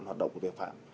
hoạt động của tội phạm